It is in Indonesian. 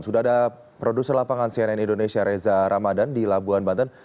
sudah ada produser lapangan cnn indonesia reza ramadan di labuan banten